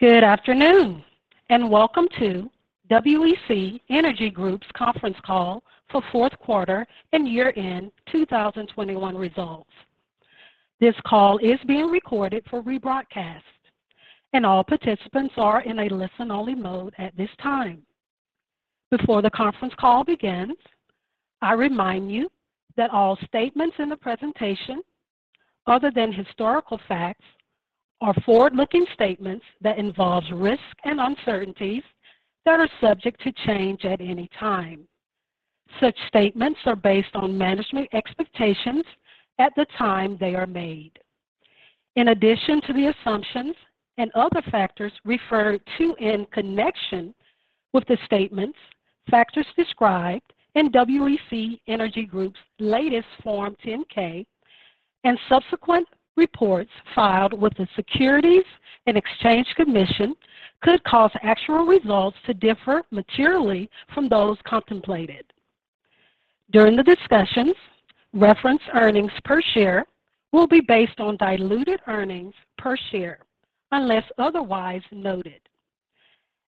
Good afternoon, and welcome to WEC Energy Group's conference call for fourth quarter and year-end 2021 results. This call is being recorded for rebroadcast, and all participants are in a listen-only mode at this time. Before the conference call begins, I remind you that all statements in the presentation other than historical facts are forward-looking statements that involves risks and uncertainties that are subject to change at any time. Such statements are based on management expectations at the time they are made. In addition to the assumptions and other factors referred to in connection with the statements, factors described in WEC Energy Group's latest Form 10-K and subsequent reports filed with the Securities and Exchange Commission could cause actual results to differ materially from those contemplated. During the discussions, referenced earnings per share will be based on diluted earnings per share unless otherwise noted.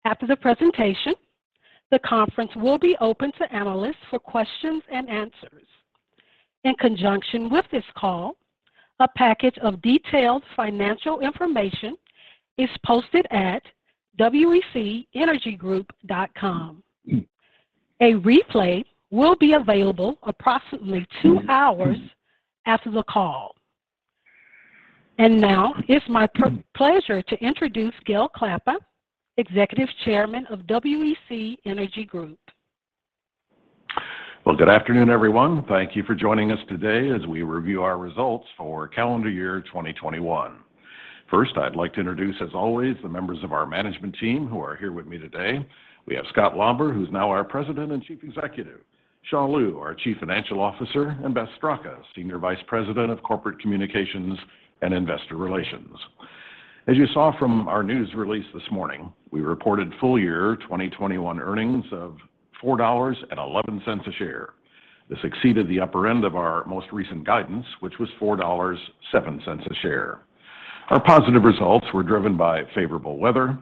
After the presentation, the conference will be open to analysts for questions and answers. In conjunction with this call, a package of detailed financial information is posted at wecenergygroup.com. A replay will be available approximately two hours after the call. Now it's my pleasure to introduce Gale Klappa, Executive Chairman of WEC Energy Group. Well, good afternoon, everyone. Thank you for joining us today as we review our results for calendar year 2021. First, I'd like to introduce, as always, the members of our management team who are here with me today. We have Scott Lauber, who's now our President and Chief Executive, Xia Liu, our Chief Financial Officer, and Beth Straka, Senior Vice President of Corporate Communications and Investor Relations. As you saw from our news release this morning, we reported full-year 2021 earnings of $4.11 a share. This exceeded the upper end of our most recent guidance, which was $4.07 a share. Our positive results were driven by favorable weather,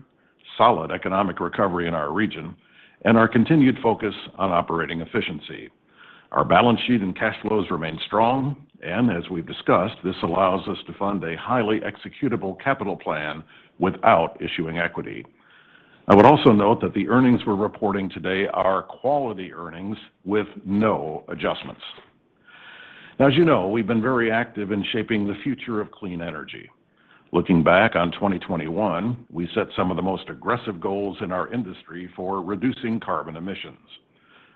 solid economic recovery in our region, and our continued focus on operating efficiency. Our balance sheet and cash flows remain strong, and as we've discussed, this allows us to fund a highly executable capital plan without issuing equity. I would also note that the earnings we're reporting today are quality earnings with no adjustments. Now, as you know, we've been very active in shaping the future of clean energy. Looking back on 2021, we set some of the most aggressive goals in our industry for reducing carbon emissions.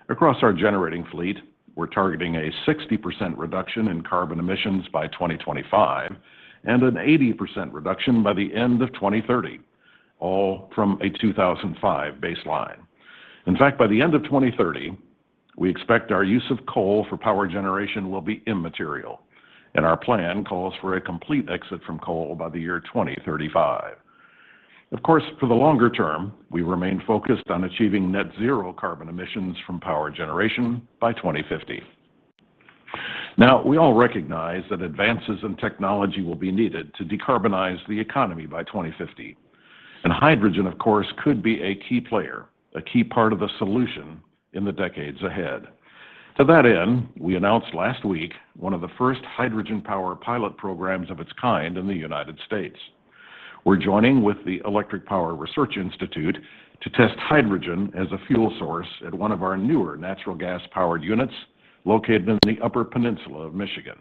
Across our generating fleet, we're targeting a 60% reduction in carbon emissions by 2025 and an 80% reduction by the end of 2030, all from a 2005 baseline. In fact, by the end of 2030, we expect our use of coal for power generation will be immaterial, and our plan calls for a complete exit from coal by the year 2035. Of course, for the longer term, we remain focused on achieving net zero carbon emissions from power generation by 2050. Now, we all recognize that advances in technology will be needed to decarbonize the economy by 2050. Hydrogen, of course, could be a key player, a key part of the solution in the decades ahead. To that end, we announced last week one of the first hydrogen power pilot programs of its kind in the United States. We're joining with the Electric Power Research Institute to test hydrogen as a fuel source at one of our newer natural gas-powered units located in the Upper Peninsula of Michigan.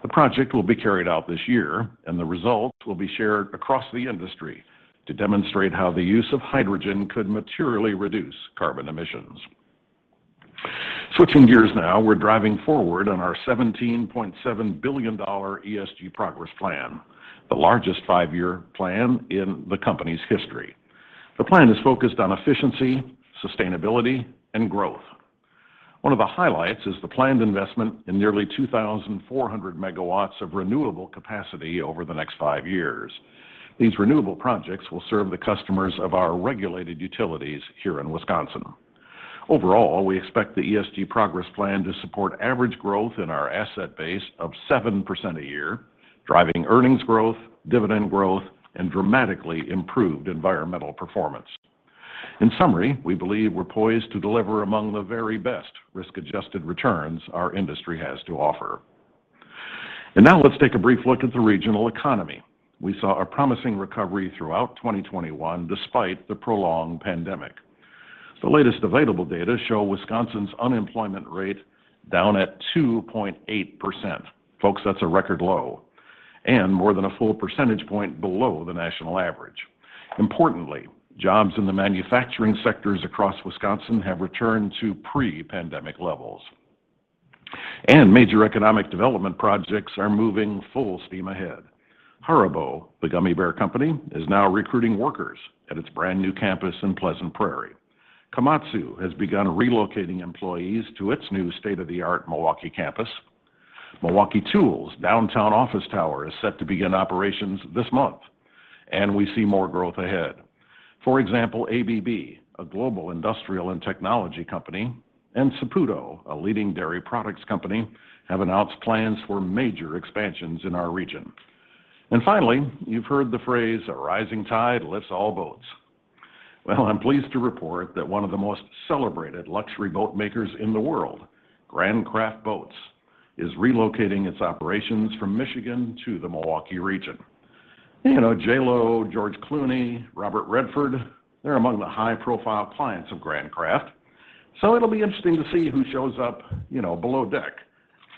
The project will be carried out this year, and the results will be shared across the industry to demonstrate how the use of hydrogen could materially reduce carbon emissions. Switching gears now, we're driving forward on our $17.7 billion ESG Progress Plan, the largest five-year plan in the company's history. The plan is focused on efficiency, sustainability, and growth. One of the highlights is the planned investment in nearly 2,400 MW of renewable capacity over the next five years. These renewable projects will serve the customers of our regulated utilities here in Wisconsin. Overall, we expect the ESG Progress Plan to support average growth in our asset base of 7% a year, driving earnings growth, dividend growth, and dramatically improved environmental performance. In summary, we believe we're poised to deliver among the very best risk-adjusted returns our industry has to offer. Now let's take a brief look at the regional economy. We saw a promising recovery throughout 2021 despite the prolonged pandemic. The latest available data show Wisconsin's unemployment rate down at 2.8%. Folks, that's a record low and more than a full percentage point below the national average. Importantly, jobs in the manufacturing sectors across Wisconsin have returned to pre-pandemic levels. Major economic development projects are moving full steam ahead. HARIBO, the gummy bear company, is now recruiting workers at its brand-new campus in Pleasant Prairie. Komatsu has begun relocating employees to its new state-of-the-art Milwaukee campus. Milwaukee Tool downtown office tower is set to begin operations this month, and we see more growth ahead. For example, ABB, a global industrial and technology company and Saputo, a leading dairy products company have announced plans for major expansions in our region. Finally, you've heard the phrase, "A rising tide lifts all boats." Well, I'm pleased to report that one of the most celebrated luxury boat makers in the world, Grand Craft boats, is relocating its operations from Michigan to the Milwaukee region. You know, J.Lo, George Clooney, Robert Redford, they're among the high-profile clients of Grand Craft, so it'll be interesting to see who shows up, you know, below deck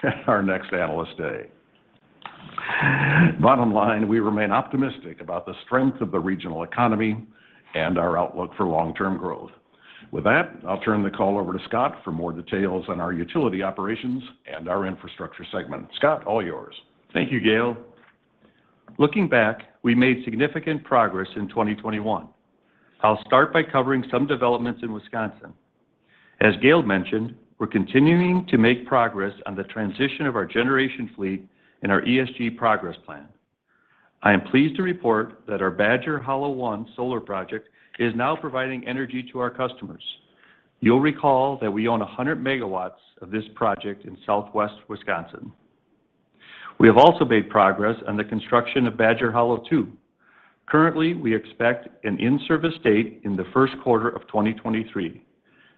at our next analyst day. Bottom line, we remain optimistic about the strength of the regional economy and our outlook for long-term growth. With that, I'll turn the call over to Scott for more details on our utility operations and our infrastructure segment. Scott, all yours. Thank you, Gale. Looking back, we made significant progress in 2021. I'll start by covering some developments in Wisconsin. As Gale mentioned, we're continuing to make progress on the transition of our generation fleet and our ESG Progress Plan. I am pleased to report that our Badger Hollow I solar project is now providing energy to our customers. You'll recall that we own 100 MW of this project in Southwest Wisconsin. We have also made progress on the construction of Badger Hollow II. Currently, we expect an in-service date in the first quarter of 2023.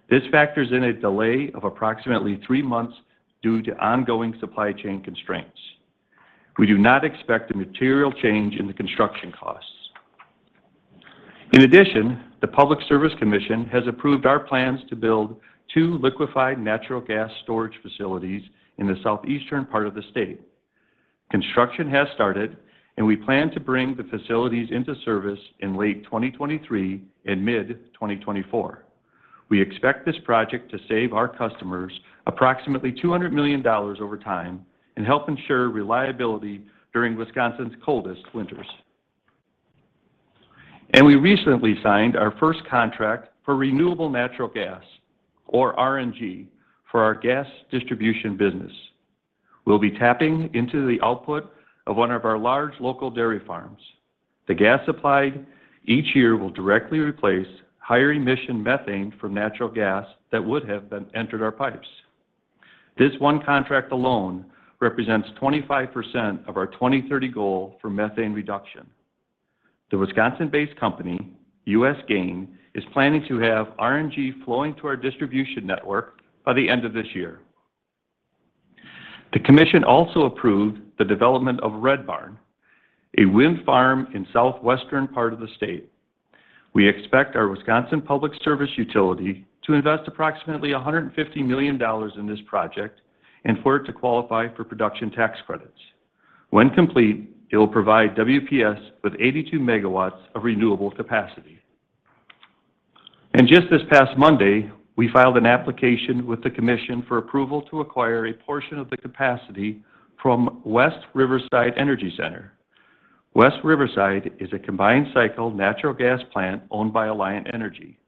This factors in a delay of approximately three months due to ongoing supply chain constraints. We do not expect a material change in the construction costs. In addition, the Public Service Commission has approved our plans to build two liquefied natural gas storage facilities in the southeastern part of the state. Construction has started, and we plan to bring the facilities into service in late 2023 and mid-2024. We expect this project to save our customers approximately $200 million over time and help ensure reliability during Wisconsin's coldest winters. We recently signed our first contract for renewable natural gas or RNG for our gas distribution business. We'll be tapping into the output of one of our large local dairy farms. The gas supplied each year will directly replace higher emission methane from natural gas that would have been entered our pipes. This one contract alone represents 25% of our 2030 goal for methane reduction. The Wisconsin-based company, U.S. Gain, is planning to have RNG flowing to our distribution network by the end of this year. The commission also approved the development of Red Barn, a wind farm in southwestern part of the state. We expect our Wisconsin Public Service utility to invest approximately $150 million in this project and for it to qualify for Production Tax Credits. When complete, it will provide WPS with 82 MW of renewable capacity. Just this past Monday, we filed an application with the commission for approval to acquire a portion of the capacity from West Riverside Energy Center. West Riverside is a combined cycle natural gas plant owned by Alliant Energy.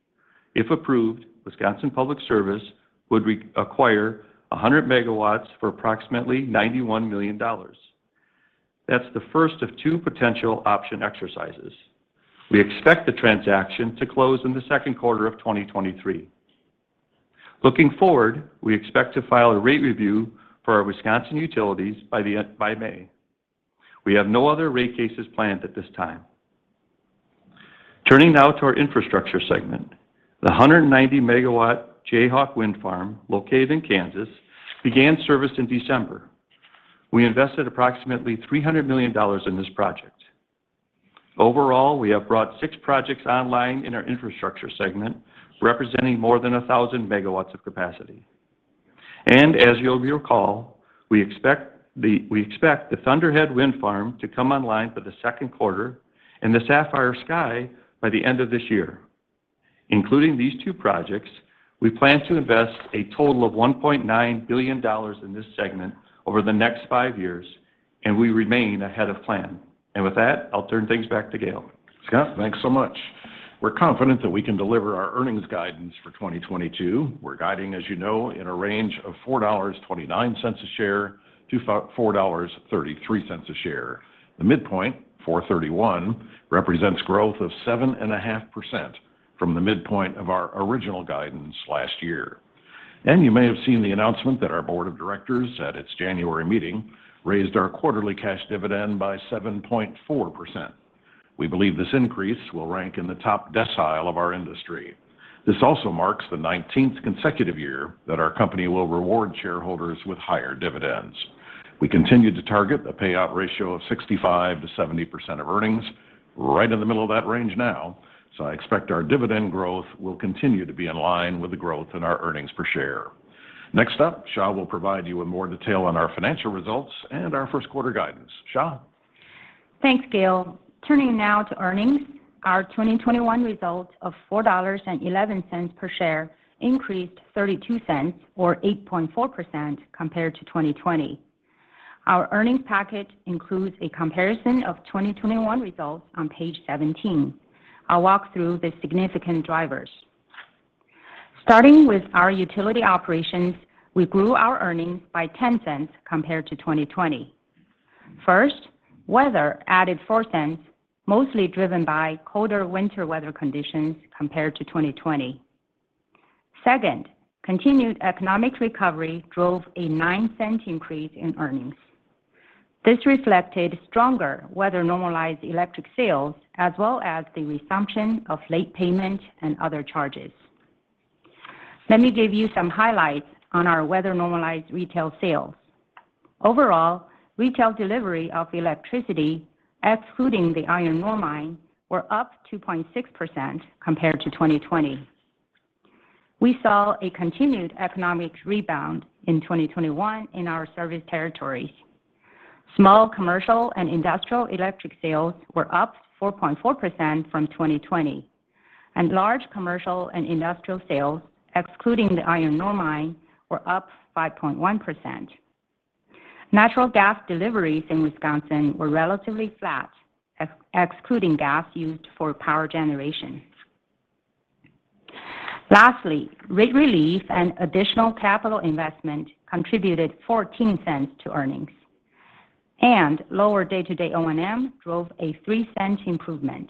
If approved, Wisconsin Public Service would re-acquire 100 MW for approximately $91 million. That's the first of two potential option exercises. We expect the transaction to close in the second quarter of 2023. Looking forward, we expect to file a rate review for our Wisconsin utilities by May. We have no other rate cases planned at this time. Turning now to our infrastructure segment. The 190-MW Jayhawk Wind Farm located in Kansas began service in December. We invested approximately $300 million in this project. Overall, we have brought six projects online in our infrastructure segment, representing more than 1,000 MW of capacity. As you'll recall, we expect the Thunderhead Wind Farm to come online for the second quarter and the Sapphire Sky by the end of this year. Including these two projects, we plan to invest a total of $1.9 billion in this segment over the next five years, and we remain ahead of plan. With that, I'll turn things back to Gale. Scott, thanks so much. We're confident that we can deliver our earnings guidance for 2022. We're guiding, as you know, in a range of $4.29 a share to $4.33 a share. The midpoint, $4.31, represents growth of 7.5% from the midpoint of our original guidance last year. You may have seen the announcement that our board of directors at its January meeting raised our quarterly cash dividend by 7.4%. We believe this increase will rank in the top decile of our industry. This also marks the 19th consecutive year that our company will reward shareholders with higher dividends. We continue to target a payout ratio of 65%-70% of earnings right in the middle of that range now, so I expect our dividend growth will continue to be in line with the growth in our earnings per share. Next up, Xia will provide you with more detail on our financial results and our first quarter guidance. Xia? Thanks, Gale. Turning now to earnings. Our 2021 results of $4.11 per share increased $0.32 or 8.4% compared to 2020. Our earnings packet includes a comparison of 2021 results on page 17. I'll walk through the significant drivers. Starting with our utility operations, we grew our earnings by $0.10 compared to 2020. First, weather added $0.04, mostly driven by colder winter weather conditions compared to 2020. Second, continued economic recovery drove a $0.09 increase in earnings. This reflected stronger weather normalized electric sales, as well as the resumption of late payment and other charges. Let me give you some highlights on our weather normalized retail sales. Overall, retail delivery of electricity excluding the iron ore mine were up 2.6% compared to 2020. We saw a continued economic rebound in 2021 in our service territory. Small commercial and industrial electric sales were up 4.4% from 2020, and large commercial and industrial sales, excluding the iron ore mine, were up 5.1%. Natural gas deliveries in Wisconsin were relatively flat, excluding gas used for power generation. Lastly, rate relief and additional capital investment contributed $0.14 to earnings. Lower day-to-day O&M drove a $0.03 improvement.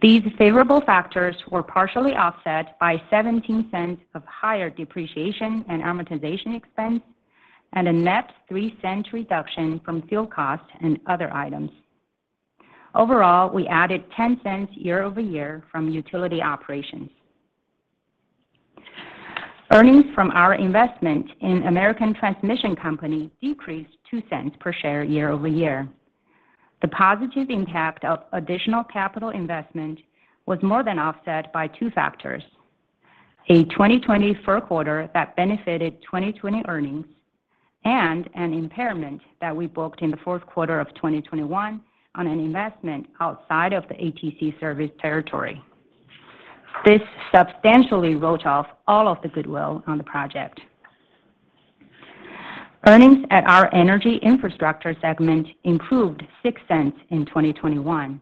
These favorable factors were partially offset by $0.17 of higher depreciation and amortization expense and a net $0.03 reduction from fuel costs and other items. Overall, we added $0.10 year-over-year from utility operations. Earnings from our investment in American Transmission Company decreased $0.02 per share year-over-year. The positive impact of additional capital investment was more than offset by two factors. A 2020 fourth quarter that benefited 2020 earnings and an impairment that we booked in the fourth quarter of 2021 on an investment outside of the ATC service territory. This substantially wrote off all of the goodwill on the project. Earnings at our energy infrastructure segment improved $0.06 in 2021.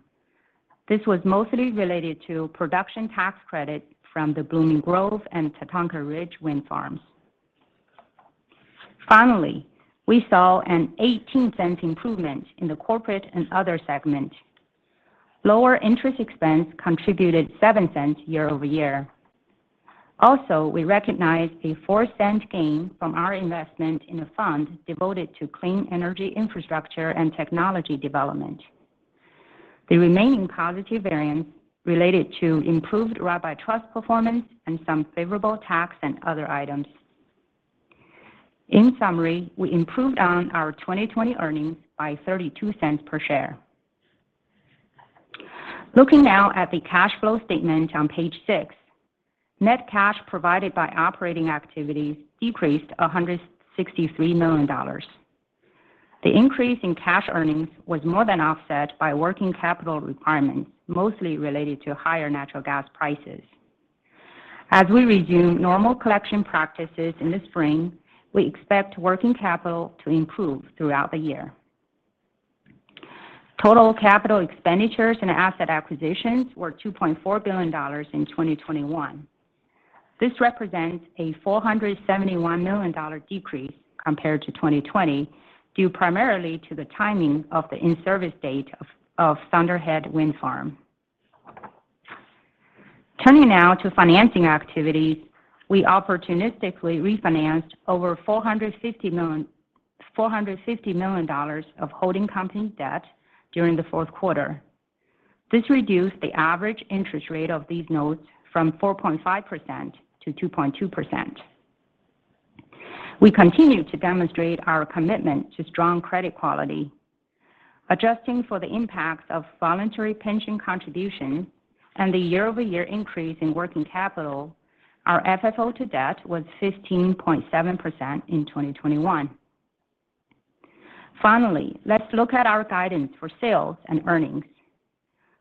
This was mostly related to production tax credit from the Blooming Grove and Tatanka Ridge Wind Farms. Finally, we saw a $0.18 improvement in the corporate and other segment. Lower interest expense contributed $0.07 year-over-year. Also, we recognized a $0.04 gain from our investment in a fund devoted to clean energy infrastructure and technology development. The remaining positive variance related to improved Rabbi Trust performance and some favorable tax and other items. In summary, we improved on our 2020 earnings by $0.32 per share. Looking now at the cash flow statement on page six. Net cash provided by operating activities decreased $163 million. The increase in cash earnings was more than offset by working capital requirements, mostly related to higher natural gas prices. As we resume normal collection practices in the spring, we expect working capital to improve throughout the year. Total capital expenditures and asset acquisitions were $2.4 billion in 2021. This represents a $471 million decrease compared to 2020, due primarily to the timing of the in-service date of Thunderhead Wind Farm. Turning now to financing activities. We opportunistically refinanced over $450 million of holding company debt during the fourth quarter. This reduced the average interest rate of these notes from 4.5% to 2.2%. We continue to demonstrate our commitment to strong credit quality. Adjusting for the impact of voluntary pension contribution and the year-over-year increase in working capital, our FFO-to-debt was 15.7% in 2021. Finally, let's look at our guidance for sales and earnings.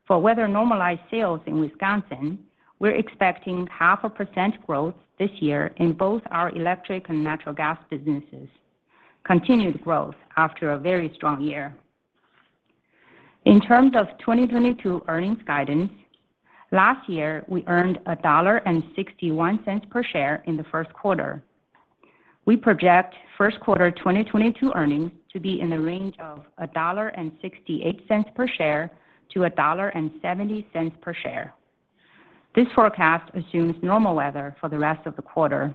For weather normalized sales in Wisconsin, we're expecting 0.5% growth this year in both our electric and natural gas businesses. Continued growth after a very strong year. In terms of 2022 earnings guidance, last year we earned $1.61 per share in the first quarter. We project first quarter 2022 earnings to be in the range of $1.68 per share to $1.70 per share. This forecast assumes normal weather for the rest of the quarter.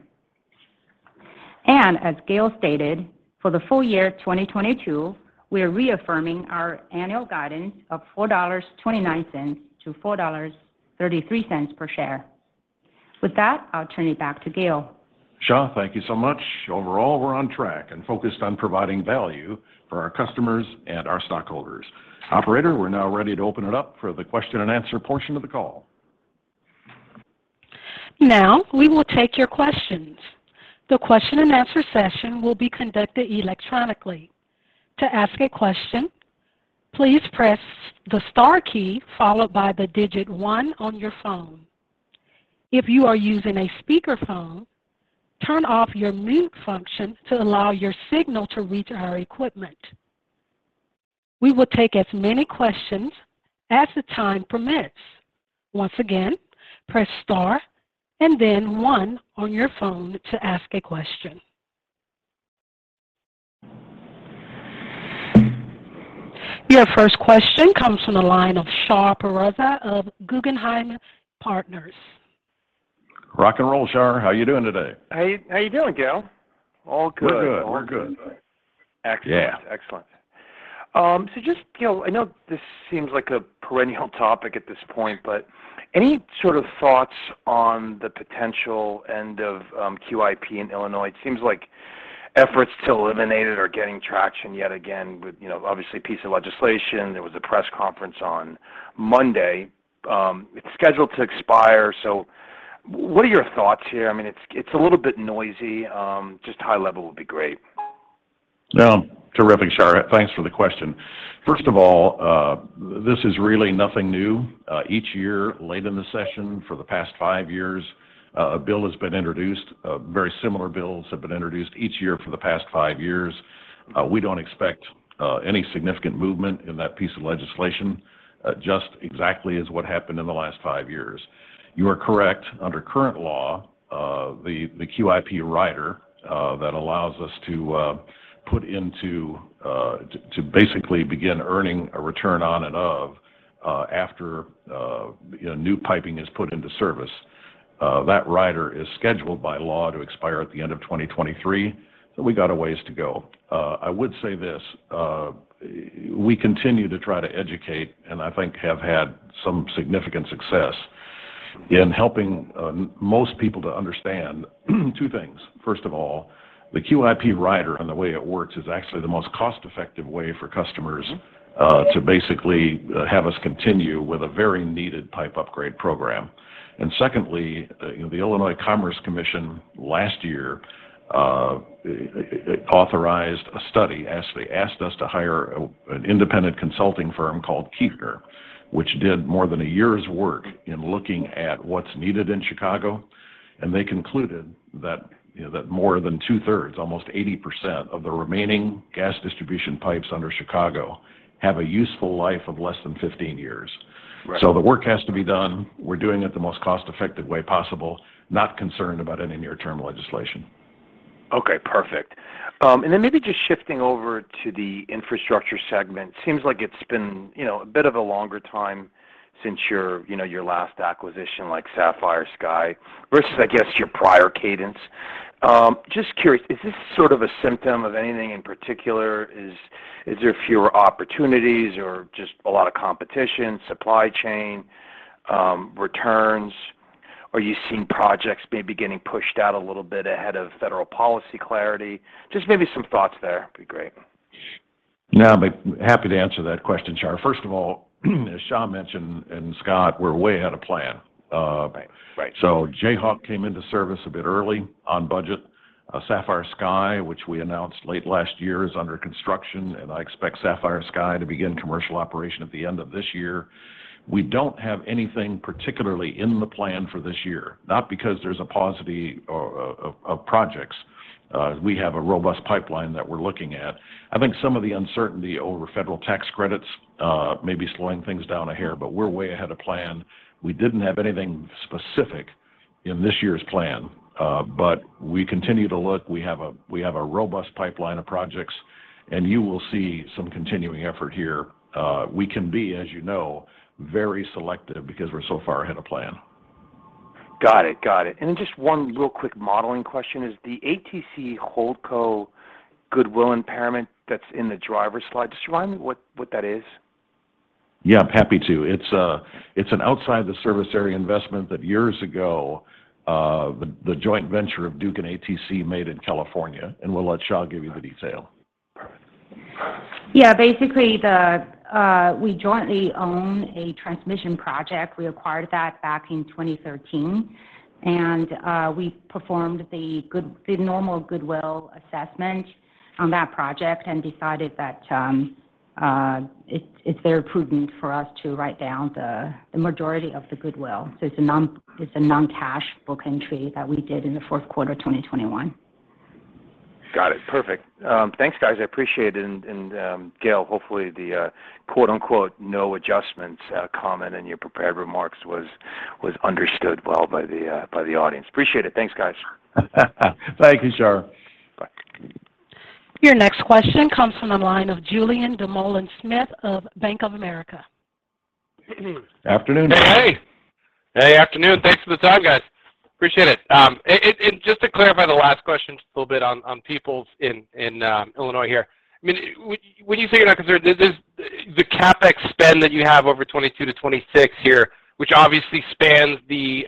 As Gale stated, for the full year 2022, we are reaffirming our annual guidance of $4.29-$4.33 per share. With that, I'll turn it back to Gale. Xia, thank you so much. Overall, we're on track and focused on providing value for our customers and our stockholders. Operator, we're now ready to open it up for the question and answer portion of the call. Now we will take your questions. The question and answer session will be conducted electronically. To ask a question, please press the star key followed by the digit one on your phone. If you are using a speakerphone, turn off your mute function to allow your signal to reach our equipment. We will take as many questions as the time permits. Once again, press star and then one on your phone to ask a question. Your first question comes from the line of Shar Pourreza of Guggenheim Partners. Rock and roll, Shar. How are you doing today? How you doing, Gale? All good. We're good. We're good. Excellent. Yeah. Excellent. Just, I know this seems like a perennial topic at this point, but any sort of thoughts on the potential end of QIP in Illinois? It seems like efforts to eliminate it are getting traction yet again with, you know, obviously piece of legislation. There was a press conference on Monday. It's scheduled to expire, so what are your thoughts here? I mean, it's a little bit noisy, just high level would be great. Terrific, Shar. Thanks for the question. First of all, this is really nothing new. Each year, late in the session for the past five years, a bill has been introduced. Very similar bills have been introduced each year for the past five years. We don't expect any significant movement in that piece of legislation, just exactly as what happened in the last five years. You are correct. Under current law, the QIP rider that allows us to put into to basically begin earning a return on and of after new piping is put into service, that rider is scheduled by law to expire at the end of 2023. We got a ways to go. I would say this, we continue to try to educate, and I think have had some significant success in helping, most people to understand two things. First of all, the QIP rider and the way it works is actually the most cost-effective way for customers, to basically have us continue with a very needed pipe upgrade program. Secondly, the Illinois Commerce Commission last year, authorized a study. They asked us to hire an independent consulting firm called Kiefner, which did more than a year's work in looking at what's needed in Chicago. They concluded that, you know, that more than 2/3, almost 80% of the remaining gas distribution pipes under Chicago have a useful life of less than 15 years. Right. The work has to be done. We're doing it the most cost-effective way possible, not concerned about any near-term legislation. Okay, perfect. Then maybe just shifting over to the infrastructure segment, seems like it's been, you know, a bit of a longer time since your, you know, your last acquisition like Sapphire Sky versus, I guess, your prior cadence. Just curious, is this sort of a symptom of anything in particular? Is there fewer opportunities or just a lot of competition, supply chain, returns? Are you seeing projects maybe getting pushed out a little bit ahead of federal policy clarity? Just maybe some thoughts there would be great. No, I'd be happy to answer that question, Shar. First of all, as Xia mentioned, and Scott, we're way ahead of plan. Right. Right. Jayhawk came into service a bit early on budget. Sapphire Sky, which we announced late last year, is under construction, and I expect Sapphire Sky to begin commercial operation at the end of this year. We don't have anything particularly in the plan for this year, not because there's a paucity of projects. We have a robust pipeline that we're looking at. I think some of the uncertainty over federal tax credits may be slowing things down a hair, but we're way ahead of plan. We didn't have anything specific in this year's plan, but we continue to look. We have a robust pipeline of projects, and you will see some continuing effort here. We can be, as you know, very selective because we're so far ahead of plan. Got it. Just one real quick modeling question is the ATC Holdco goodwill impairment that's in the driver slide. Just remind me what that is. Yeah, happy to. It's an outside the service area investment that years ago the joint venture of Duke Energy and ATC made in California, and we'll let Xia give you the detail. Perfect. Yeah. Basically, we jointly own a transmission project. We acquired that back in 2013, and we performed the normal goodwill assessment on that project and decided that it's very prudent for us to write down the majority of the goodwill. It's a non-cash book entry that we did in the fourth quarter of 2021. Got it. Perfect. Thanks, guys. I appreciate it. Gale, hopefully the quote-unquote "no adjustments" comment in your prepared remarks was understood well by the audience. Appreciate it. Thanks, guys. Thank you, Shar. Bye. Your next question comes from the line of Julien Dumoulin-Smith of Bank of America. Afternoon. Hey, hey. Hey, afternoon. Thanks for the time, guys. Appreciate it. Just to clarify the last question just a little bit on [Peoples] in Illinois here. I mean, when you say you're not concerned, the CapEx spend that you have over 2022-2026 here, which obviously spans the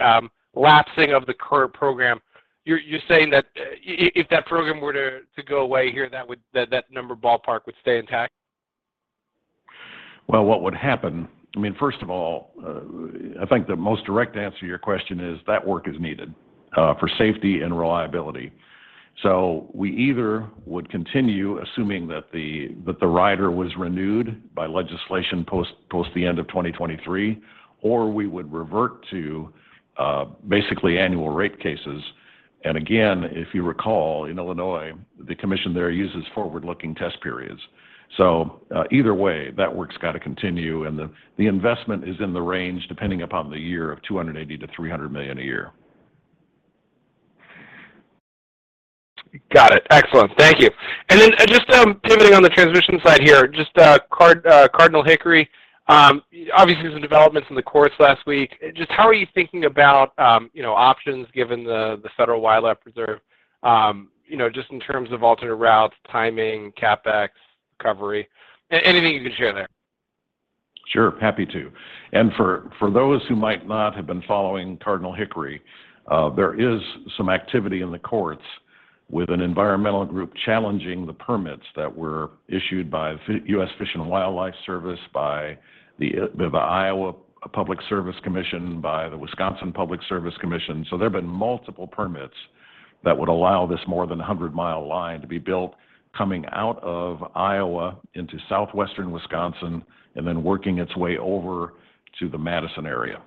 lapsing of the current program, you're saying that if that program were to go away here, that would, that number ballpark would stay intact? Well, what would happen, I mean, first of all, I think the most direct answer to your question is that work is needed for safety and reliability. We either would continue, assuming that the rider was renewed by legislation post the end of 2023, or we would revert to basically annual rate cases. Again, if you recall, in Illinois, the commission there uses forward-looking test periods. Either way, that work's got to continue, and the investment is in the range, depending upon the year, of $280 million-$300 million a year. Got it. Excellent. Thank you. Then pivoting on the transition side here, Cardinal-Hickory Creek, obviously there's been developments in the courts last week. How are you thinking about options given the federal wildlife preserve, you know, just in terms of alternate routes, timing, CapEx, recovery? Anything you can share there. Sure. Happy to. For those who might not have been following Cardinal-Hickory Creek, there is some activity in the courts with an environmental group challenging the permits that were issued by the U.S. Fish and Wildlife Service, by the Iowa Utilities Board, by the Public Service Commission of Wisconsin. There have been multiple permits that would allow this more than 100-mile line to be built coming out of Iowa into southwestern Wisconsin and then working its way over to the Madison area.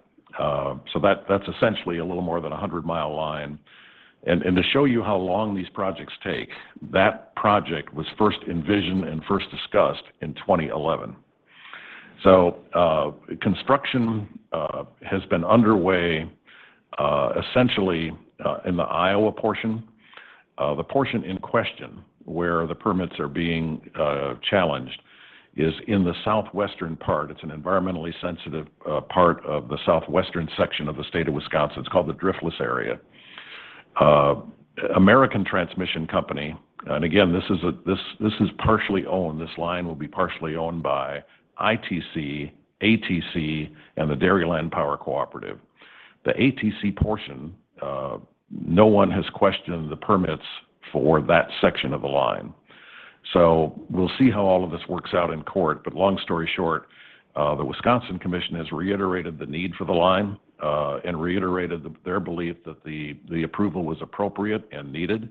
That's essentially a little more than 100-mile line. To show you how long these projects take, that project was first envisioned and first discussed in 2011. Construction has been underway essentially in the Iowa portion. The portion in question where the permits are being challenged is in the southwestern part. It's an environmentally sensitive part of the southwestern section of the state of Wisconsin. It's called the Driftless area. American Transmission Company, and again, this line will be partially owned by ITC, ATC, and the Dairyland Power Cooperative. The ATC portion, no one has questioned the permits for that section of the line. We'll see how all of this works out in court. Long story short, the Wisconsin Commission has reiterated the need for the line, and reiterated their belief that the approval was appropriate and needed.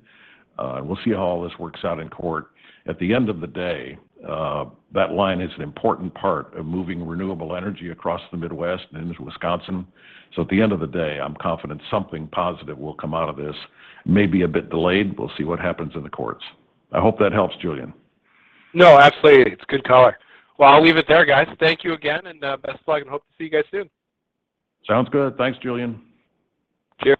We'll see how all this works out in court. At the end of the day, that line is an important part of moving renewable energy across the Midwest and into Wisconsin. At the end of the day, I'm confident something positive will come out of this. It may be a bit delayed. We'll see what happens in the courts. I hope that helps, Julien. No, absolutely. It's good color. Well, I'll leave it there, guys. Thank you again, and best of luck, and hope to see you guys soon. Sounds good. Thanks, Julien. Sure.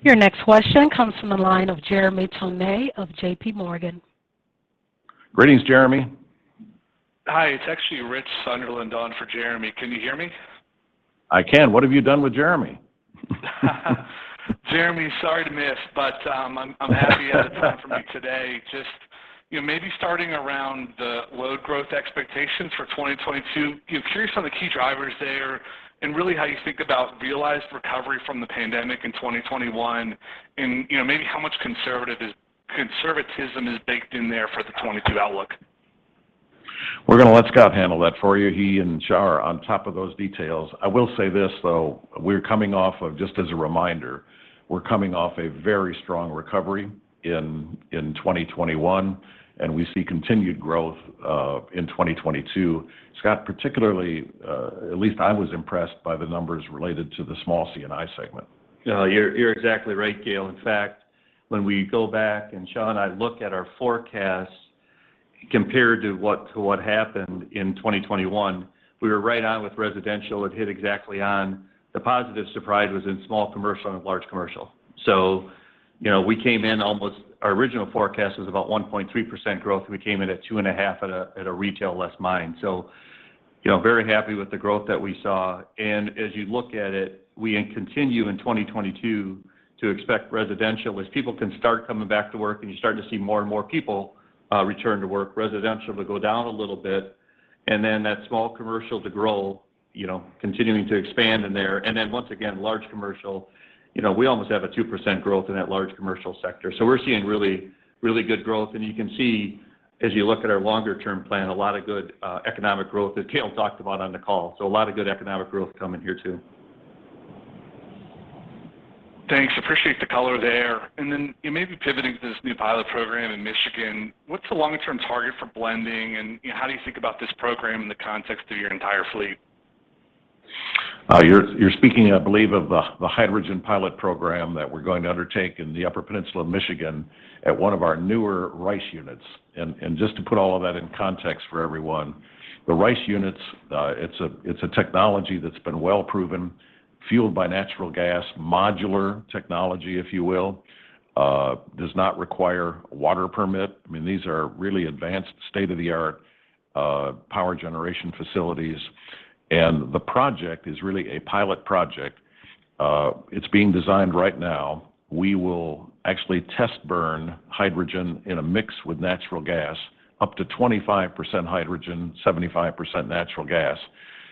Your next question comes from the line of Jeremy Tonet of JPMorgan. Greetings, Jeremy. Hi. It's actually Richard Sunderland on for Jeremy. Can you hear me? I can. What have you done with Jeremy? Jeremy, sorry to miss, but I'm happy you had the time for me today. Just, you know, maybe starting around the load growth expectations for 2022, you know, curious on the key drivers there and, really, how you think about realized recovery from the pandemic in 2021 and, you know, maybe how much conservatism is baked in there for the 2022 outlook. We're gonna let Scott handle that for you. He and Xia are on top of those details. I will say this, though. Just as a reminder, we're coming off a very strong recovery in 2021, and we see continued growth in 2022. Scott, particularly, at least I was impressed by the numbers related to the small C&I segment. Yeah, you're exactly right, Gale. In fact, when we go back, and Xia and I look at our forecasts compared to what happened in 2021, we were right on with residential. It hit exactly on. The positive surprise was in small commercial and large commercial. Our original forecast was about 1.3% growth. We came in at 2.5% at a retail. Very happy with the growth that we saw. As you look at it, we then continue in 2022 to expect residential. As people can start coming back to work, and you start to see more and more people return to work, residential will go down a little bit, and then that small commercial to grow, continuing to expand in there. Once again, large commercial, you know, we almost have a 2% growth in that large commercial sector. We're seeing really, really good growth. You can see, as you look at our longer-term plan, a lot of good economic growth that Gale talked about on the call. A lot of good economic growth coming here too. Thanks. I appreciate the color there. You know, maybe pivoting to this new pilot program in Michigan, what's the long-term target for blending, and, you know, how do you think about this program in the context of your entire fleet? You're speaking, I believe, of the hydrogen pilot program that we're going to undertake in the Upper Peninsula of Michigan at one of our newer RICE units. Just to put all of that in context for everyone, the RICE units, it's a technology that's been well proven, fueled by natural gas, modular technology, if you will. It does not require a water permit. I mean, these are really advanced, state-of-the-art power generation facilities. The project is really a pilot project. It's being designed right now. We will actually test burn hydrogen in a mix with natural gas, up to 25% hydrogen, 75% natural gas.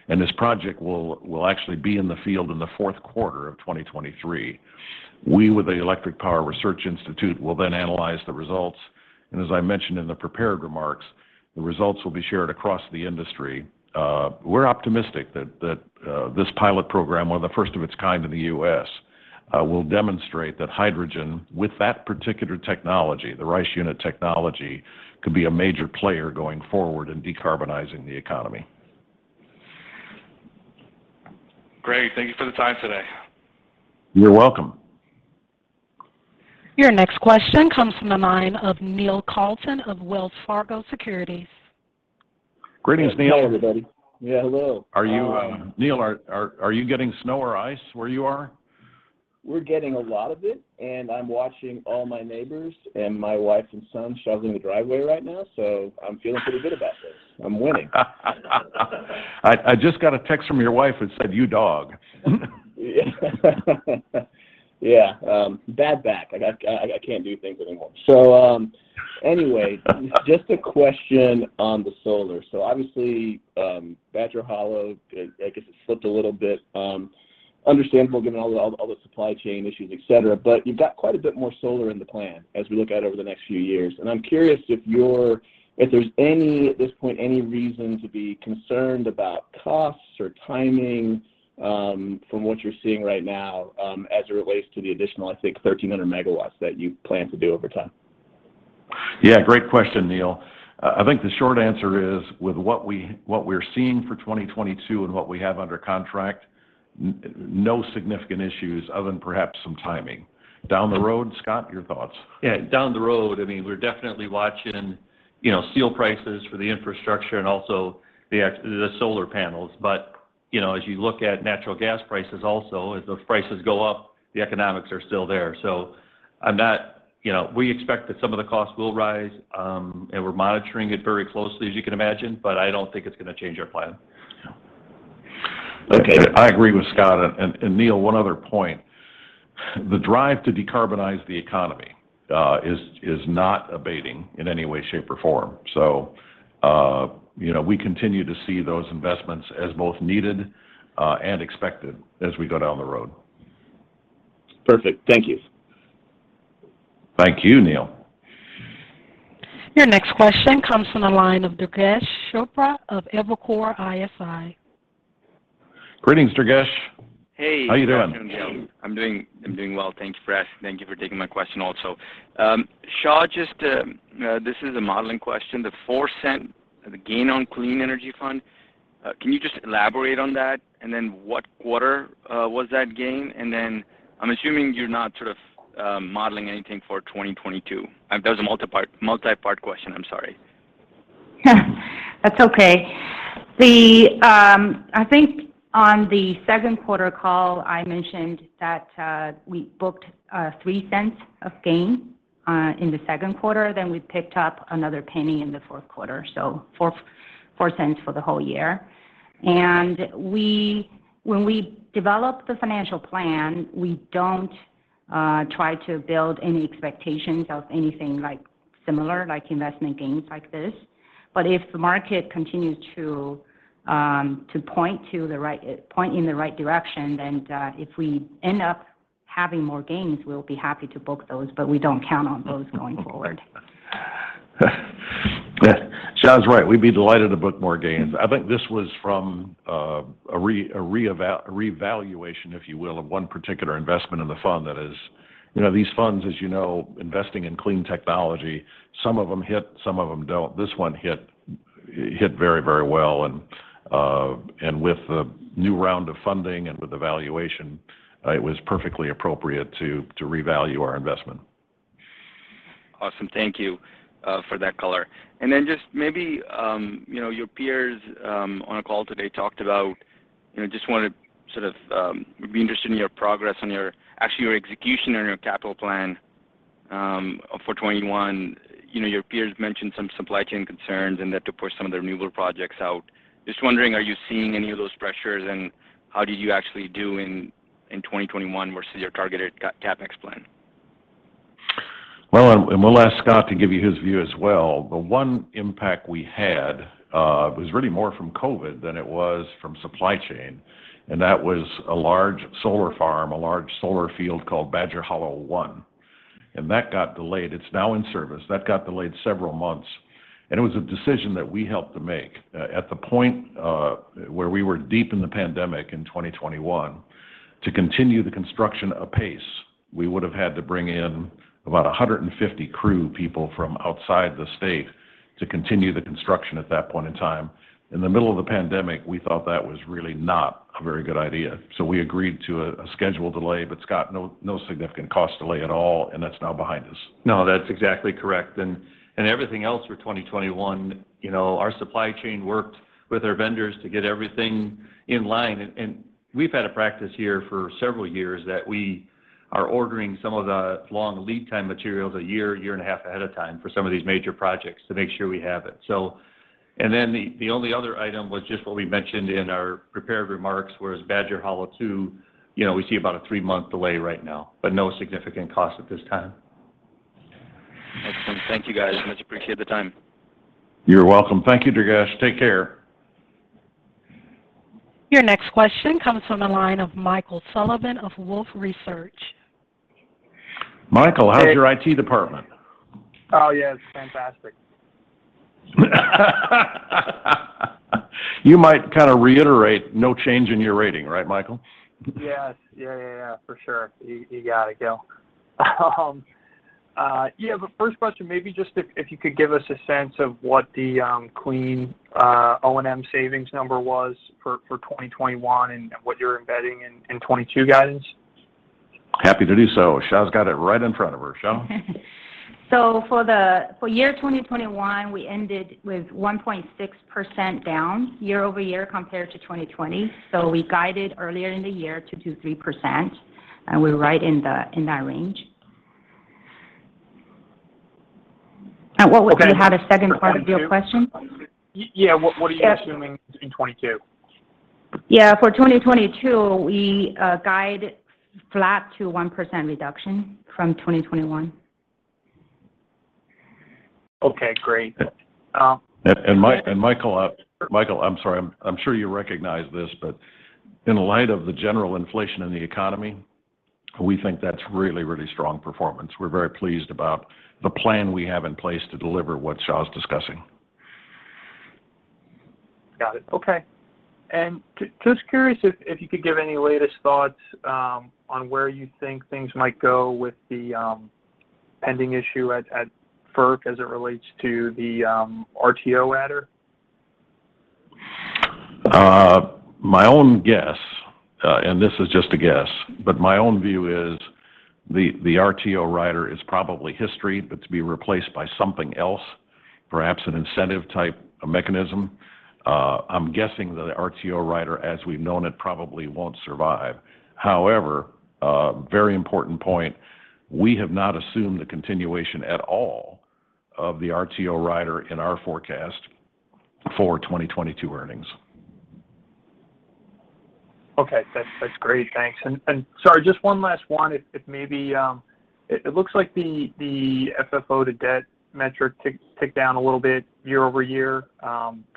This project will actually be in the field in the fourth quarter of 2023. We, with the Electric Power Research Institute, will then analyze the results. As I mentioned in the prepared remarks, the results will be shared across the industry. We're optimistic that this pilot program, one of the first of its kind in the U.S., will demonstrate that hydrogen with that particular technology, the RICE unit technology, could be a major player going forward in decarbonizing the economy. Great. Thank you for the time today. You're welcome. Your next question comes from the line of Neil Kalton of Wells Fargo Securities. Greetings, Neil. Hey, everybody. Yeah, hello. Neil, are you getting snow or ice where you are? We're getting a lot of it, and I'm watching all my neighbors and my wife and son shoveling the driveway right now, so I'm feeling pretty good about this. I'm winning. I just got a text from your wife that said, "You dog." Yeah. Bad back. I can't do things anymore. Anyway. Just a question on the solar. Obviously, Badger Hollow, I guess it slipped a little bit, understandable given all the supply chain issues, et cetera, but you've got quite a bit more solar in the plan as we look out over the next few years. I'm curious if there's any, at this point, any reason to be concerned about costs or timing, from what you're seeing right now, as it relates to the additional, I think, 1,300 MW that you plan to do over time. Yeah, great question, Neil. I think the short answer is, with what we're seeing for 2022 and what we have under contract, no significant issues other than perhaps some timing. Down the road, Scott, your thoughts? Yeah. Down the road, I mean, we're definitely watching, you know, steel prices for the infrastructure and also the solar panels. You know, as you look at natural gas prices also, as those prices go up, the economics are still there. You know, we expect that some of the costs will rise, and we're monitoring it very closely, as you can imagine, but I don't think it's gonna change our plan. Yeah. Look, I agree with Scott. Neil, one other point. The drive to decarbonize the economy is not abating in any way, shape, or form. You know, we continue to see those investments as both needed and expected as we go down the road. Perfect. Thank you. Thank you, Neil. Your next question comes from the line of Durgesh Chopra of Evercore ISI. Greetings, Durgesh. Hey. How you doing? I'm doing well. Thank you for taking my question also. Xia, just, this is a modeling question. The $0.04 gain on clean energy fund, can you just elaborate on that? Then what quarter was that gain? Then I'm assuming you're not sort of modeling anything for 2022. That was a multipart question. I'm sorry. That's okay. I think on the second quarter call, I mentioned that we booked $0.03 of gain in the second quarter, then we picked up another $0.01 in the fourth quarter. $0.04 for the whole year. When we develop the financial plan, we don't try to build any expectations of anything, like, similar, like investment gains like this. If the market continues to point in the right direction, then if we end up having more gains, we'll be happy to book those, but we don't count on those going forward. Yeah. Xia's right. We'd be delighted to book more gains. I think this was from a revaluation, if you will, of one particular investment in the fund that is. You know, these funds, as you know, investing in clean technology, some of them hit, some of them don't. This one hit very, very well. With the new round of funding and with the valuation, it was perfectly appropriate to revalue our investment. Awesome. Thank you for that color. Then just maybe, you know, your peers on a call today talked about, you know, just wanna sort of be interested in your progress on your—actually your execution on your capital plan for 2021. You know, your peers mentioned some supply chain concerns and they had to push some of their renewable projects out. Just wondering, are you seeing any of those pressures, and how did you actually do in 2021 versus your targeted CapEx plan? Well, we'll ask Scott to give you his view as well. The one impact we had was really more from COVID than it was from supply chain, and that was a large solar farm, a large solar field called Badger Hollow I, and that got delayed. It's now in service. That got delayed several months. It was a decision that we helped to make. At the point where we were deep in the pandemic in 2021, to continue the construction apace, we would have had to bring in about 150 crew people from outside the state to continue the construction at that point in time. In the middle of the pandemic, we thought that was really not a very good idea, so we agreed to a schedule delay. Scott, no significant cost delay at all, and that's now behind us. No, that's exactly correct. Everything else for 2021, you know, our supply chain worked with our vendors to get everything in line. We've had a practice here for several years that we are ordering some of the long lead time materials a year and a half ahead of time for some of these major projects to make sure we have it. The only other item was just what we mentioned in our prepared remarks, whereas Badger Hollow II, you know, we see about a three-month delay right now, but no significant cost at this time. Excellent. Thank you, guys. Much appreciated the time. You're welcome. Thank you, Durgesh. Take care. Your next question comes from the line of Michael Sullivan of Wolfe Research. Michael- Hey. How's your IT department? Oh, yeah, it's fantastic. You might kind of reiterate no change in your rating, right, Michael? Yes. Yeah. For sure. You got it, Gale. Yeah, the first question, maybe just if you could give us a sense of what the clean O&M savings number was for 2021 and what you're embedding in 2022 guidance. Happy to do so. Xia's got it right in front of her. Xia? For year 2021, we ended with 1.6% down year-over-year compared to 2020. We guided earlier in the year to do 3%, and we're right in that range. What was... Okay. You had a second part of your question? For 2022? Yeah. What are you assuming in 2022? Yeah. For 2022, we guide flat to 1% reduction from 2021. Okay, great. Michael, I'm sorry. I'm sure you recognize this, but in light of the general inflation in the economy, we think that's really strong performance. We're very pleased about the plan we have in place to deliver what Xia's discussing. Got it. Okay. Just curious if you could give any latest thoughts on where you think things might go with the pending issue at FERC as it relates to the RTO rider. My own guess, and this is just a guess, but my own view is the RTO rider is probably history, but to be replaced by something else, perhaps an incentive-type mechanism. I'm guessing that the RTO rider, as we've known it, probably won't survive. However, very important point, we have not assumed the continuation at all of the RTO rider in our forecast for 2022 earnings. Okay. That's great. Thanks. Sorry, just one last one. If maybe it looks like the FFO-to-debt metric ticked down a little bit year-over-year,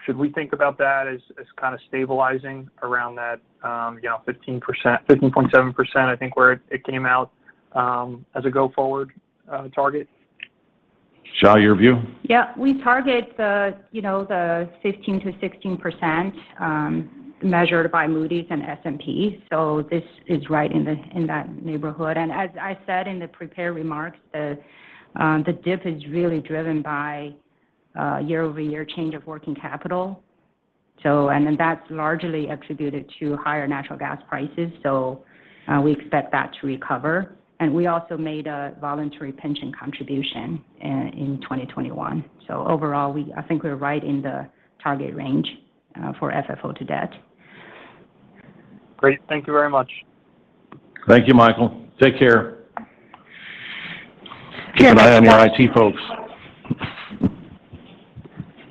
should we think about that as kind of stabilizing around that, you know, 15.7%, I think, where it came out, as a go-forward target? Xia, your view? Yeah. We target you know, the 15%-16%, measured by Moody's and S&P, so this is right in that neighborhood. As I said in the prepared remarks, the dip is really driven by year-over-year change of working capital. And then that's largely attributed to higher natural gas prices, so we expect that to recover. We also made a voluntary pension contribution in 2021. Overall, I think we're right in the target range for FFO-to-debt. Great. Thank you very much. Thank you, Michael. Take care. Keep an eye on your IT folks.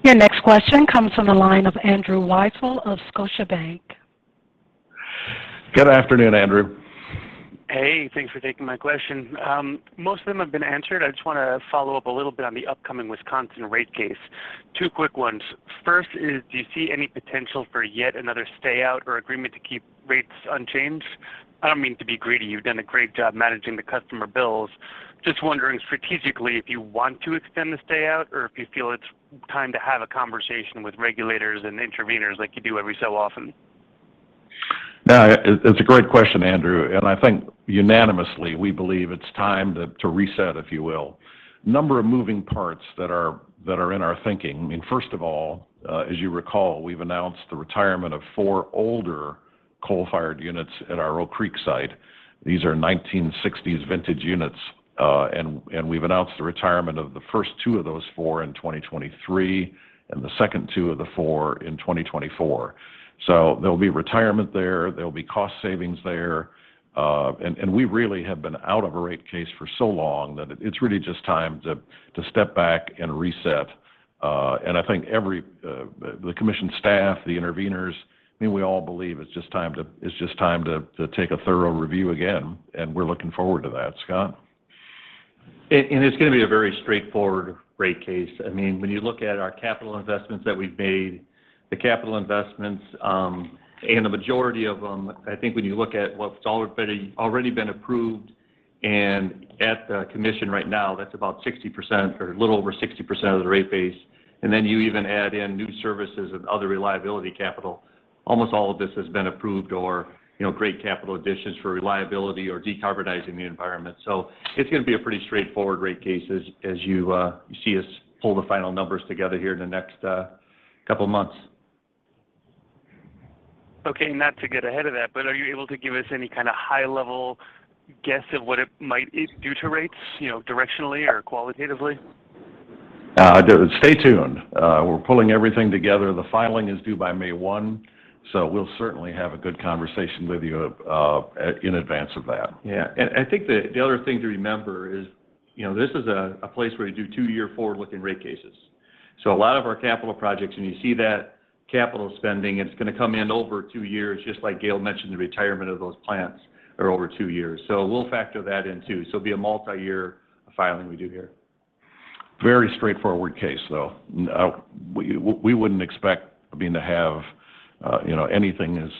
Your next question comes from the line of Andrew Weisel of Scotiabank. Good afternoon, Andrew. Hey, thanks for taking my question. Most of them have been answered. I just wanna follow up a little bit on the upcoming Wisconsin rate case. Two quick ones. First is, do you see any potential for yet another stay-out or agreement to keep rates unchanged? I don't mean to be greedy. You've done a great job managing the customer bills. Just wondering strategically if you want to extend the stay-out or if you feel it's time to have a conversation with regulators and interveners like you do every so often. It's a great question, Andrew, and I think unanimously, we believe it's time to reset, if you will. Number of moving parts that are in our thinking. I mean, first of all, as you recall, we've announced the retirement of four older coal-fired units at our Oak Creek site. These are 1960s vintage units, and we've announced the retirement of the first two of those four in 2023, and the second two of the four in 2024. There'll be retirement there'll be cost savings there, and we really have been out of a rate case for so long that it's really just time to step back and reset. I think everyone, the commission staff, the interveners, I mean, we all believe it's just time to take a thorough review again, and we're looking forward to that. Scott? It's gonna be a very straightforward rate case. I mean, when you look at our capital investments that we've made, the capital investments, and the majority of them, I think when you look at what's already been approved and at the commission right now, that's about 60% or a little over 60% of the rate base. Then you even add in new services and other reliability capital, almost all of this has been approved or, you know, great capital additions for reliability or decarbonizing the environment. It's gonna be a pretty straightforward rate case as you see us pull the final numbers together here in the next couple months. Okay. Not to get ahead of that, but are you able to give us any kind of high-level guess at what it might do to rates, you know, directionally or qualitatively? Stay tuned. We're pulling everything together. The filing is due by May 1, so we'll certainly have a good conversation with you in advance of that. Yeah. I think the other thing to remember is, you know, this is a place where you do two-year forward-looking rate cases. A lot of our capital projects, when you see that capital spending, it's gonna come in over two years, just like Gale mentioned the retirement of those plants are over two years. We'll factor that in too. It'll be a multi-year filing we do here. Very straightforward case, though. We wouldn't expect, I mean, to have, you know, anything as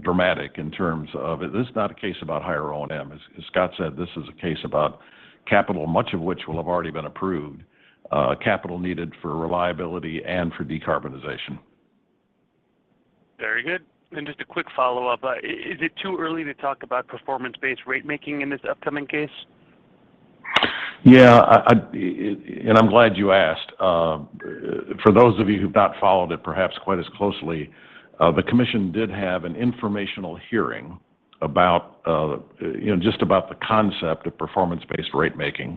dramatic. This is not a case about higher O&M. As Scott said, this is a case about capital, much of which will have already been approved, capital needed for reliability and for decarbonization. Very good. Just a quick follow-up. Is it too early to talk about performance-based rate making in this upcoming case? Yeah. I'm glad you asked. For those of you who've not followed it perhaps quite as closely, the commission did have an informational hearing about, you know, just about the concept of performance-based rate making.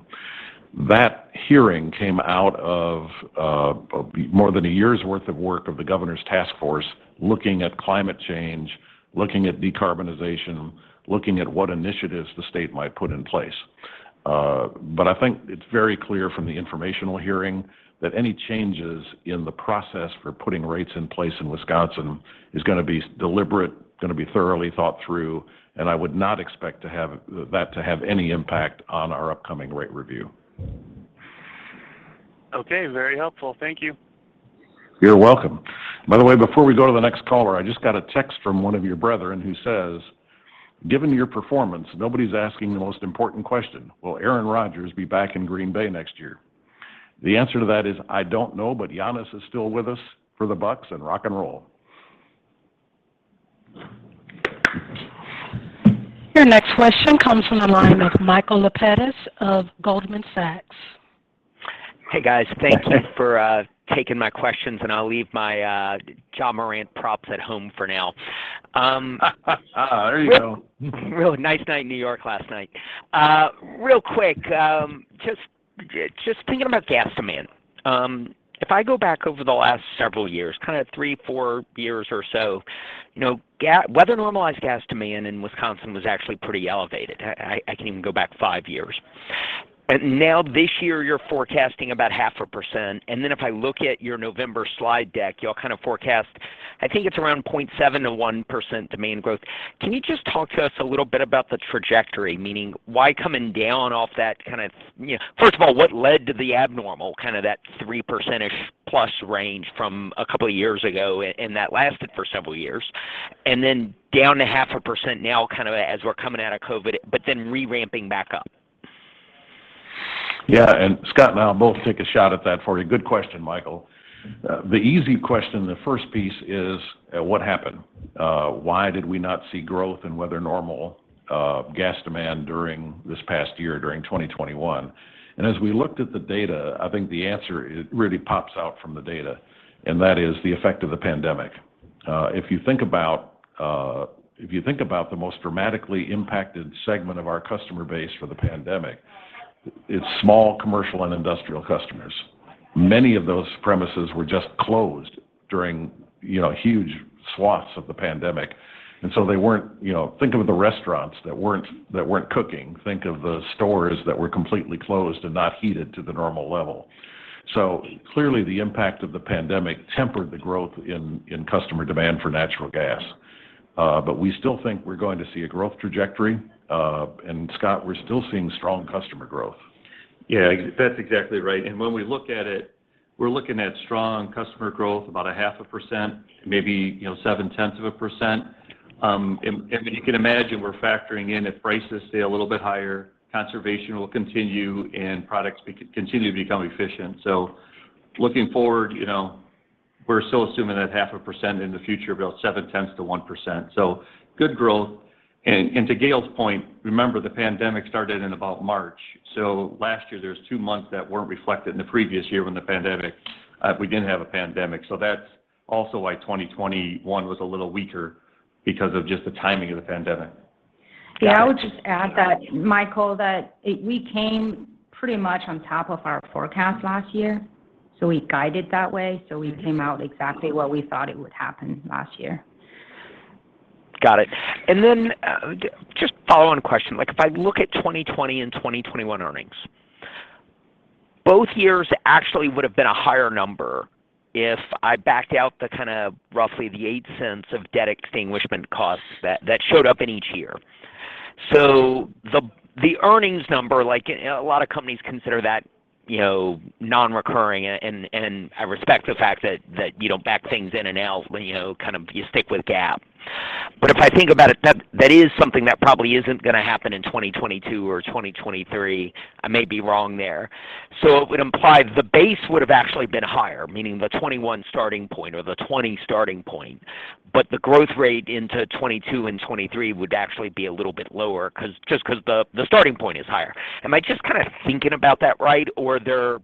That hearing came out of more than a year's worth of work of the governor's task force looking at climate change, looking at decarbonization, looking at what initiatives the state might put in place. I think it's very clear from the informational hearing that any changes in the process for putting rates in place in Wisconsin is gonna be deliberate, gonna be thoroughly thought through, and I would not expect that to have any impact on our upcoming rate review. Okay. Very helpful. Thank you. You're welcome. By the way, before we go to the next caller, I just got a text from one of your brethren who says, "Given your performance, nobody's asking the most important question. Will Aaron Rodgers be back in Green Bay next year?" The answer to that is, "I don't know. But Giannis is still with us for the Bucks, and rock and roll." Your next question comes from the line of Michael Lapides of Goldman Sachs. Hey, guys. Hey. Thank you for taking my questions, and I'll leave my Ja Morant props at home for now. There you go. Real nice night in New York last night. Real quick, just thinking about gas demand. If I go back over the last several years, kind of three, four years or so, you know, whether normalized gas demand in Wisconsin was actually pretty elevated. I can even go back five years. Now this year you're forecasting about 0.5%, and then if I look at your November slide deck, y'all kind of forecast I think it's around 0.7%-1% demand growth. Can you just talk to us a little bit about the trajectory, meaning why coming down off that kind of. You know, first of all, what led to the abnormal, kind of that 3%-ish plus range from a couple of years ago and that lasted for several years, and then down to 0.5% now kind of as we're coming out of COVID, but then re-ramping back up. Yeah. Scott and I will both take a shot at that for you. Good question, Michael. The easy question, the first piece is, what happened? Why did we not see growth in weather-normal gas demand during this past year, during 2021? As we looked at the data, I think the answer, it really pops out from the data, and that is the effect of the pandemic. If you think about the most dramatically impacted segment of our customer base for the pandemic, it's small commercial and industrial customers. Many of those premises were just closed during, you know, huge swaths of the pandemic, and so they weren't. You know, think of the restaurants that weren't cooking. Think of the stores that were completely closed and not heated to the normal level. Clearly the impact of the pandemic tempered the growth in customer demand for natural gas. We still think we're going to see a growth trajectory. Scott, we're still seeing strong customer growth. Yeah. That's exactly right. When we look at it, we're looking at strong customer growth, about 0.5%, maybe, you know, 0.7%. I mean, you can imagine we're factoring in if prices stay a little bit higher, conservation will continue and products continue to become efficient. Looking forward, you know, we're still assuming that 0.5% in the future, about 0.7%-1%. Good growth. To Gale's point, remember the pandemic started in about March. Last year there was two months that weren't reflected in the previous year when the pandemic, we didn't have a pandemic. That's also why 2021 was a little weaker because of just the timing of the pandemic. Yeah. I would just add that, Michael, that it, we came pretty much on top of our forecast last year, so we guided that way, so we came out exactly what we thought it would happen last year. Got it. Just a follow-on question. Like, if I look at 2020 and 2021 earnings, both years actually would've been a higher number if I backed out the kind of roughly the $0.08 of debt extinguishment costs that showed up in each year. The earnings number, like, you know, a lot of companies consider that, you know, non-recurring and I respect the fact that you don't back things in and out, but, you know, kind of you stick with GAAP. If I think about it, that is something that probably isn't gonna happen in 2022 or 2023. I may be wrong there. It would imply the base would've actually been higher, meaning the 2021 starting point or the 2020 starting point. The growth rate into 2022 and 2023 would actually be a little bit lower 'cause just 'cause the starting point is higher. Am I just kind of thinking about that right? Or you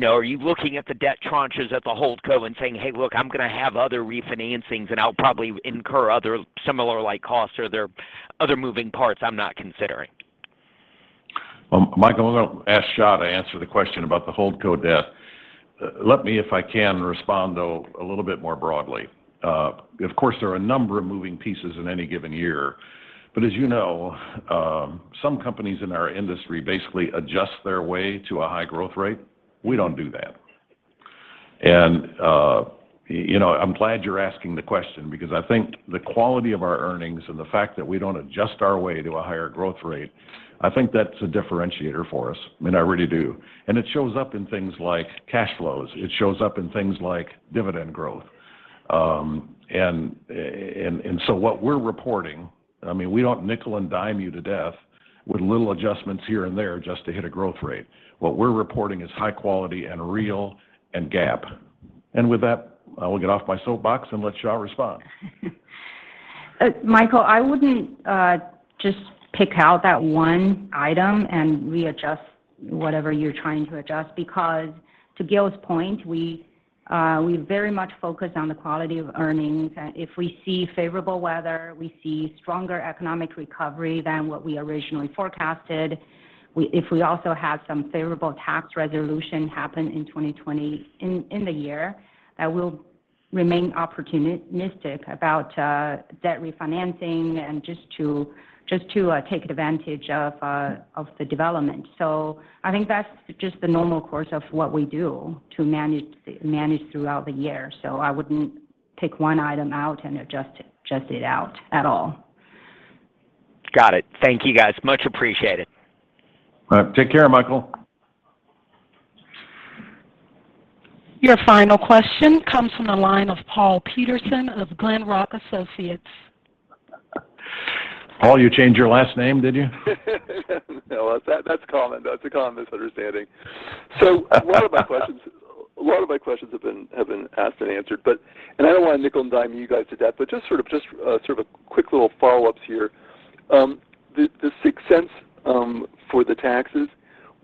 know, are you looking at the debt tranches at the holdco and saying, "Hey, look, I'm gonna have other refinancings, and I'll probably incur other similar like costs," or are there other moving parts I'm not considering? Well, Michael, I'm gonna ask Scott to answer the question about the holdco debt. Let me, if I can, respond though a little bit more broadly. Of course there are a number of moving pieces in any given year. As you know, some companies in our industry basically adjust their way to a high growth rate. We don't do that. You know, I'm glad you're asking the question because I think the quality of our earnings and the fact that we don't adjust our way to a higher growth rate. I think that's a differentiator for us. I mean, I really do. It shows up in things like cash flows. It shows up in things like dividend growth. What we're reporting. I mean, we don't nickel-and-dime you to death with little adjustments here and there just to hit a growth rate. What we're reporting is high quality and real and GAAP. With that, I will get off my soapbox and let Xia respond. Michael, I wouldn't just pick out that one item and readjust whatever you're trying to adjust because to Gale's point, we very much focus on the quality of earnings. If we see favorable weather, we see stronger economic recovery than what we originally forecasted, if we also have some favorable tax resolution happen in 2020, in the year, that we'll remain opportunistic about debt refinancing and just to take advantage of the development. I think that's just the normal course of what we do to manage throughout the year. I wouldn't pick one item out and adjust it out at all. Got it. Thank you, guys. Much appreciated. All right. Take care, Michael. Your final question comes from the line of Paul Patterson of Glenrock Associates. Paul, you changed your last name, did you? No. That's common. That's a common misunderstanding. A lot of my questions have been asked and answered, but I don't wanna nickel-and-dime you guys to death, but just sort of quick little follow-ups here. The $0.06 for the taxes,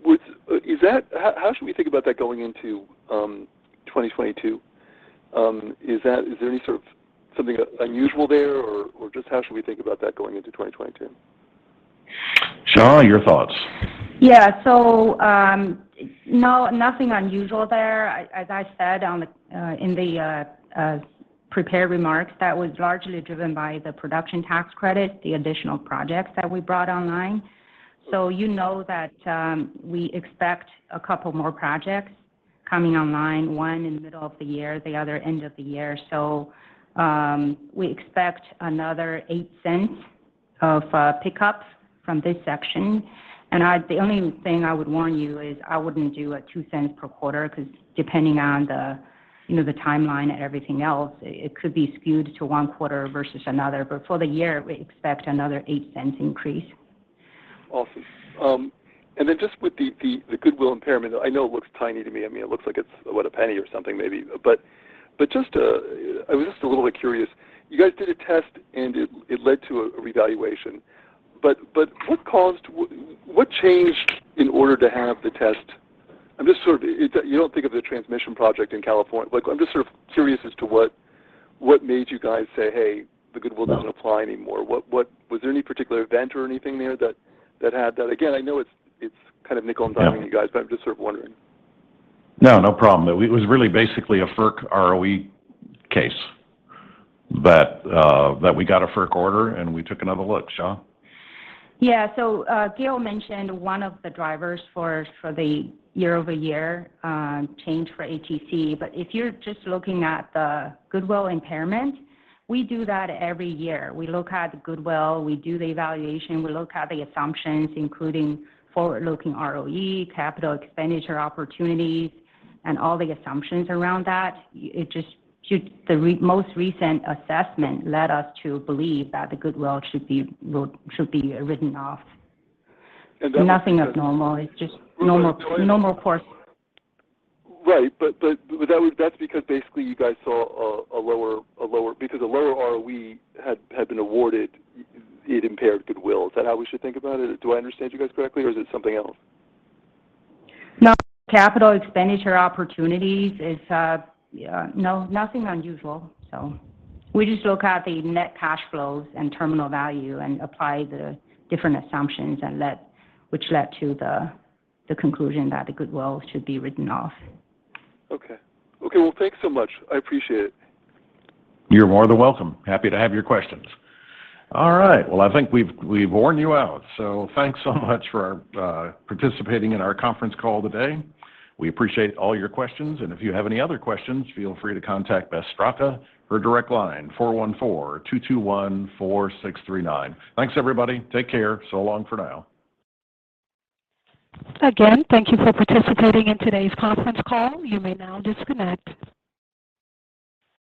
how should we think about that going into 2022? Is there any sort of something unusual there or just how should we think about that going into 2022? Xia, your thoughts. Yeah. No, nothing unusual there. As I said in the prepared remarks, that was largely driven by the production tax credit, the additional projects that we brought online. You know that we expect a couple more projects coming online, one in the middle of the year, the other end of the year. We expect another $0.08 of pickups from this section. The only thing I would warn you is I wouldn't do a $0.02 per quarter 'cause depending on the timeline and everything else, it could be skewed to one quarter versus another. For the year, we expect another $0.08 increase. Awesome. Just with the goodwill impairment, I know it looks tiny to me. I mean, it looks like it's what? A penny or something maybe. Just, I was just a little bit curious. You guys did a test and it led to a revaluation. What caused what changed in order to have the test? I'm just sort of curious as to what made you guys say, "Hey, the goodwill doesn't apply anymore." What was there any particular event or anything there that had that? Again, I know it's kind of nickel-and-diming. Yeah. you guys, but I'm just sort of wondering. No, no problem. It was really basically a FERC ROE case that we got a FERC order and we took another look. Xia? Yeah. Gale mentioned one of the drivers for the year-over-year change for ATC. If you're just looking at the goodwill impairment, we do that every year. We look at the goodwill, we do the evaluation, we look at the assumptions, including forward-looking ROE, capital expenditure opportunities, and all the assumptions around that. The most recent assessment led us to believe that the goodwill should be written off. And that was just- Nothing abnormal. It's just normal. Normal course. Right. That's because basically you guys saw a lower ROE. Because a lower ROE had been awarded, it impaired goodwill. Is that how we should think about it? Do I understand you guys correctly or is it something else? No. Capital expenditure opportunities is. No, nothing unusual. We just look at the net cash flows and terminal value and apply the different assumptions which led to the conclusion that the goodwill should be written off. Okay. Well, thanks so much. I appreciate it. You're more than welcome. Happy to have your questions. All right. Well, I think we've worn you out. So thanks so much for participating in our conference call today. We appreciate all your questions. If you have any other questions, feel free to contact Beth Straka. Her direct line is 414-221-4639. Thanks, everybody. Take care. So long for now. Again, thank you for participating in today's conference call. You may now disconnect.